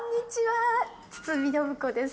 堤信子です。